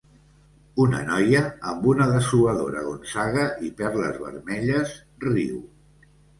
Una noia amb una dessuadora Gonzaga i perles vermelles riu